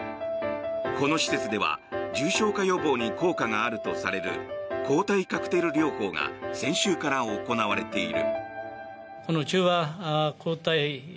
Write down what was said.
この施設では重症化予防に効果があるとされる抗体カクテル療法が先週から行われている。